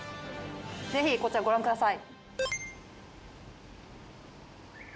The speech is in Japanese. ぜひこちらご覧ください。